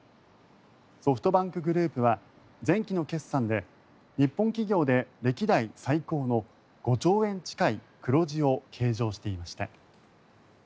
ソフトバンクグループは前期の決算で日本企業で歴代最高の５兆円近い黒字を計上していました。